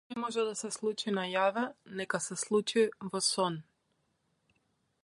Што не може на јаве, нека се случи во сон.